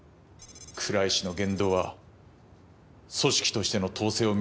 倉石の言動は組織としての統制を乱すものです。